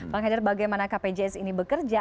pak hedir bagaimana kpjs ini bekerja